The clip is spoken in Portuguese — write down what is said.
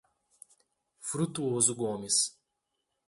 Frutuoso Gomes